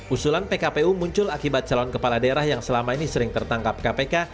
usulan pkpu muncul akibat calon kepala daerah yang selama ini sering tertangkap kpk